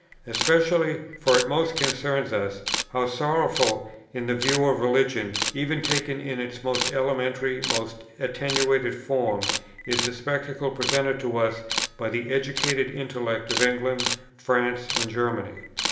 Especially, for it most concerns us, how sorrowful, in the view of religion, even taken in its most elementary, most attenuated form, is the spectacle presented to us by the educated intellect of England, France, and Germany!